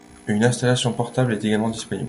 Une installation portable est également disponible.